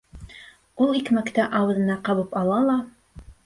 Ул икмәкте ауыҙына ҡабып ала ла...